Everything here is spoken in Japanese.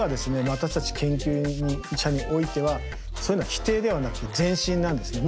私たち研究者においてはそういうのは否定ではなくて前進なんですね。